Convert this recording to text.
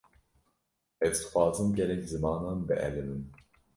Ez dixwazim gelek zimanan bielimim.